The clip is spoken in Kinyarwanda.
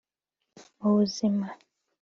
mu buzima